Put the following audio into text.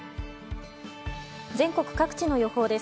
全国各地の予報です。